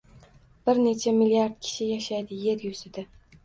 bir necha milliard kishi yashaydi yer yuzida.